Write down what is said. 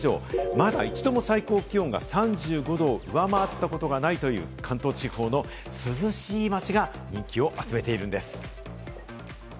まだ一度も最高気温が３５度を上回ったことがないという関東地方の涼しい街が人気を集めているんです。